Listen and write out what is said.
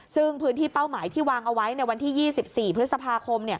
ซึ่งพื้นที่เป้าหมายที่วางเอาไว้ในวันที่๒๔พฤษภาคม